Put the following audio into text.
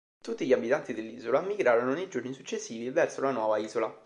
Tutti gli abitanti dell'isola migrarono nei giorni successivi verso la nuova isola.